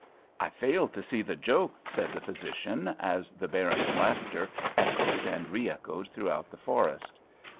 "I fail to see the joke," said the physician, as the Baron's laughter echoed and reechoed throughout the forest.